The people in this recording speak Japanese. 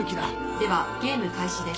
ではゲーム開始です。